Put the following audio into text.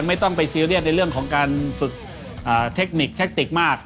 ไม่ต้องไปซีเรียสในเรื่องของการฝึกเทคนิคแทคติกมาก